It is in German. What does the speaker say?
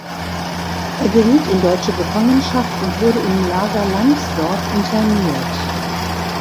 Er geriet in deutsche Gefangenschaft und wurde im Lager Lamsdorf interniert.